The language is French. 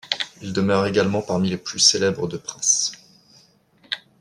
Ils demeurent également parmi les plus célèbres de Prince.